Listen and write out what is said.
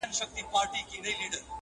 o ازمويلی بيامه ازمايه!